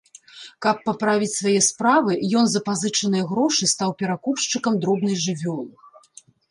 Каб паправіць свае справы, ён за пазычаныя грошы стаў перакупшчыкам дробнай жывёлы.